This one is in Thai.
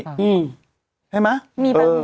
ใช่ไหม